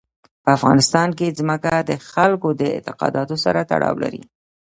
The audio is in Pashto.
په افغانستان کې ځمکه د خلکو د اعتقاداتو سره تړاو لري.